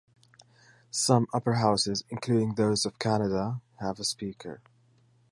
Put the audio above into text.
Some upper houses, including those of Canada, have a speaker.